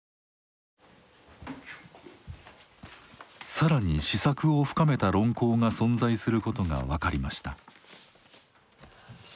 更に思索を深めた論考が存在することが分かりました。